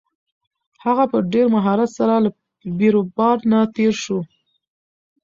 هغه په ډېر مهارت سره له بیروبار نه تېر شو.